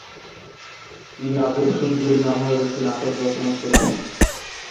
তিনি "আজব সুন্দরী" নামেও একটি নাটক রচনা করেছেন।